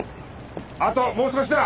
あともう少しだ。